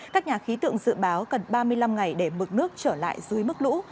các nhà khí tượng dự báo cần ba mươi năm ngày để mực nước trở lại dưới mức lũ